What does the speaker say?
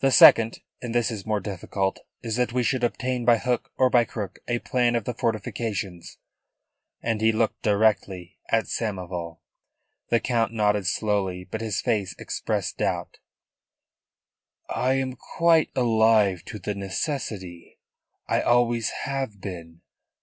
"The second and this is more difficult is that we should obtain by hook or by crook a plan of the fortifications." And he looked directly at Samoval. The Count nodded slowly, but his face expressed doubt. "I am quite alive to the necessity. I always have been.